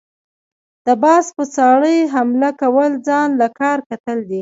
د باز په څاړي حمله كول ځان له کار کتل دي۔